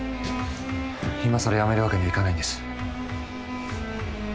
今更やめるわけにはいかないんです